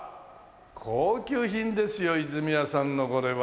高級品ですよ泉屋さんのこれは。